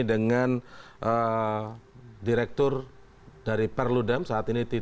dengan direktur dari perludem saat ini